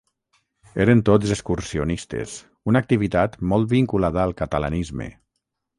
Eren tots excursionistes, una activitat molt vinculada al catalanisme.